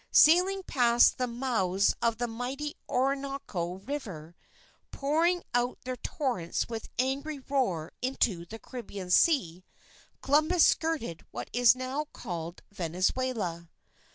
Sailing past the mouths of the mighty Orinoco River, pouring out their torrents with angry roar into the Caribbean Sea, Columbus skirted what is now called Venezuela.